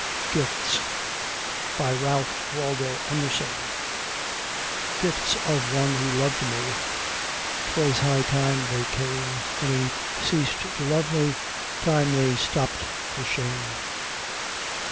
GIFTS RALPH WALDO EMERSON "Gifts of one who loved me, Twas high time they came; When he ceased to love me, Time they stopped for shame."